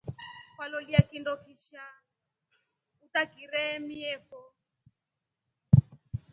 Kwalolia kindo kisha utakireemiefo.